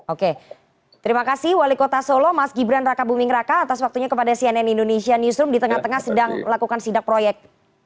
oke terima kasih wali kota solo mas gibran raka buming raka atas waktunya kepada cnn indonesia newsroom di tengah tengah sedang melakukan sidak proyek